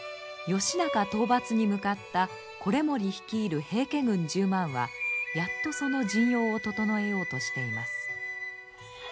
義仲討伐に向かった維盛率いる平家軍１０万はやっとその陣容を整えようとしています。